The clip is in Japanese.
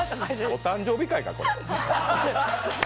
お誕生日会か、これ。